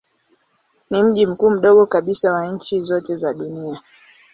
Ni mji mkuu mdogo kabisa wa nchi zote za dunia.